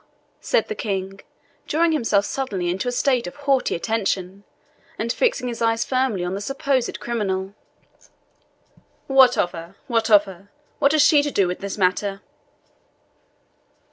said the King, drawing himself suddenly into a state of haughty attention, and fixing his eye firmly on the supposed criminal; "what of her? what of her? What has she to do with this matter?"